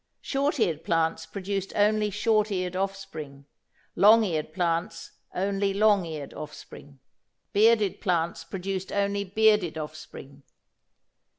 Short eared plants produced only short eared offspring, long eared plants only long eared offspring. Bearded plants produced only bearded offspring.